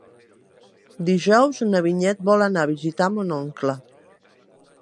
Dijous na Vinyet vol anar a visitar mon oncle.